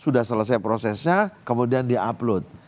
sudah selesai prosesnya kemudian di upload